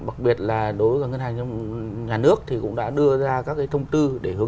bặc biệt là đối với ngân hàng nhà nước thì cũng đã đưa ra các thông tư